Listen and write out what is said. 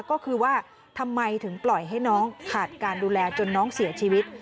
ก็คือว่าทำไมถึงปล่อยให้น้องขาดการดูแลจนน้องเสียชีวิต